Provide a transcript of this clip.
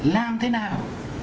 làm thế nào